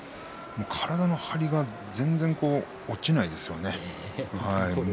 体の張りが全然落ちないですよね。